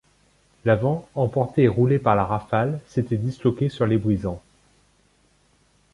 L’avant, emporté et roulé par la rafale, s’était disloqué sur les brisants.